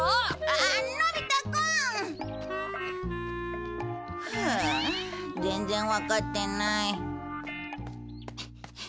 ああっのび太くん！はあ全然わかってない。